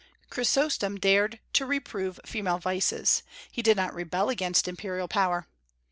Chrysostom dared to reprove female vices; he did not rebel against imperial power.